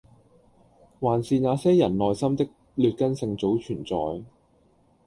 還是那些人內心的劣根性早存在